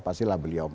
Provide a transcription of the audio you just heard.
pasti lah beliau